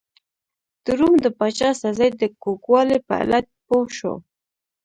د روم د پاچا استازی د کوږوالي په علت پوه شو.